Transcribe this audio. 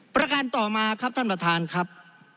ประการต่อมาครับท่านประธานครับ